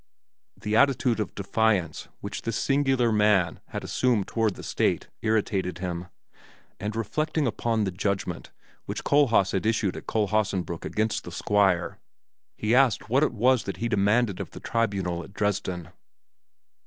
The attitude of defiance which this singular man had assumed toward the state irritated him, and reflecting upon the judgment which Kohlhaas had issued at Kohlhaasenbrück against the Squire, he asked what it was that he demanded of the tribunal at Dresden.